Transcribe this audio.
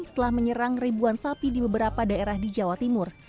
telah menyerang ribuan sapi di beberapa daerah di jawa timur